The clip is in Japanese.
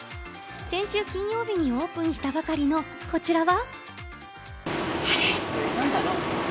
先週金曜日にオープンしたばかりのこちらは。